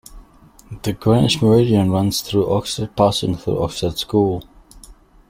The Greenwich Meridian runs through Oxted, passing through Oxted School.